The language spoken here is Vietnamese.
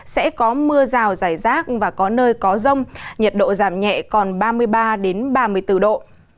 sẽ có mưa rào rải rác và có nơi có rông nhiệt độ giảm nhẹ còn ba mươi ba ba mươi bốn độ